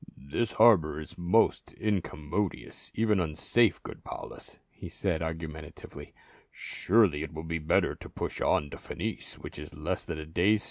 "This harbor is most incommodious, even unsafe, good Paulus," he said argumentatively. " Surely it will be better to push on to Phenice, which is less than a day's sail." Paul shook his head.